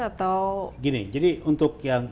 atau gini jadi untuk yang